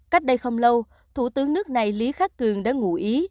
cách đây không lâu thủ tướng nước này lý khắc cường đã ngủ ý